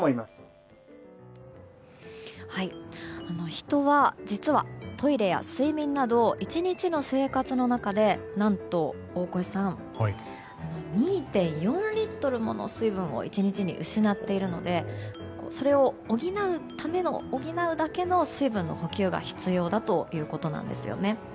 人は実はトイレや睡眠など１日の生活の中で何と、大越さん２．４リットルもの水分を１日に失っているのでそれを補うだけの水分の補給が必要だということなんですね。